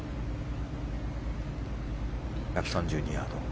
１３２ヤード。